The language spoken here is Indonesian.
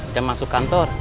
jam masuk kantor